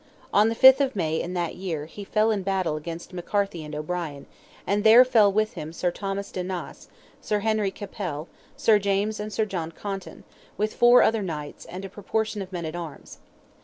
On the 5th of May, in that year, he fell in battle against McCarthy and O'Brien, and there fell with him Sir Thomas de Naas, Sir Henry Capell, Sir James and Sir John Caunton, with four other knights, and a proportion of men at arms.